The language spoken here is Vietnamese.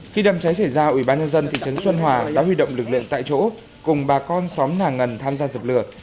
khi đầm cháy xảy ra ủy ban nhân dân thị trấn xuân hòa đã huy động lực lượng tại chỗ cùng bà con xóm nà ngân tham gia dập lửa